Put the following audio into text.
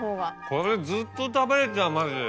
これずっと食べれちゃうマジで。